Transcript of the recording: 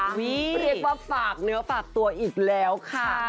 เรียกว่าฝากเนื้อฝากตัวอีกแล้วค่ะ